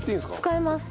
使えます。